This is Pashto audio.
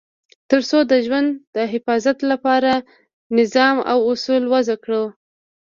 تر څو د ژوند د حفاظت لپاره نظام او اصول وضع کړو.